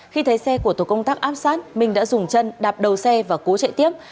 khi thấy xe của tổ công tác áp sát minh đã dùng chân đạp đầu xe và cố chạy tiếp